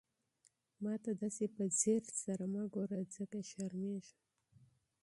ما ته داسې په ځير سره مه ګوره، ځکه شرمېږم.